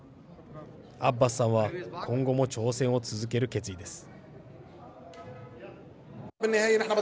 アッバスさんは今後も挑戦を続ける決意です。